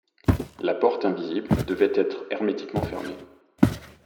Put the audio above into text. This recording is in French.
La porte invisible devait être hermétiquement fermée.